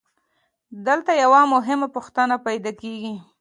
دلته یوه مهمه پوښتنه پیدا کېږي